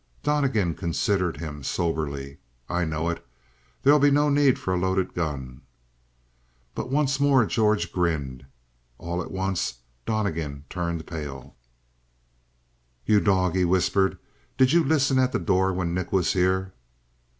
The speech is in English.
Donnegan considered him soberly. "I know it. There'll be no need for a loaded gun." But once more George grinned. All at once Donnegan turned pale. "You dog," he whispered. "Did you listen at the door when Nick was here?"